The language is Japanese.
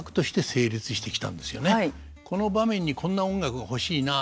この場面にこんな音楽が欲しいなと。